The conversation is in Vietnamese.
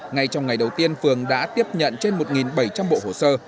ngay trong ngày đầu tiên phường đã tiếp nhận trên một bảy trăm linh bộ hồ sơ